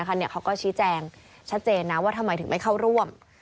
เขาก็ชี้แจงชัดเจนนะว่าทำไมถึงไม่เข้าร่วม